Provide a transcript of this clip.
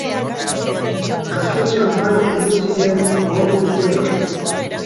Azken txanpan heldu ziren gol guztiak.